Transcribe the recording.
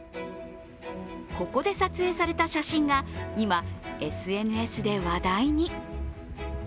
ここで撮影された写真が今、ＳＮＳで話題に。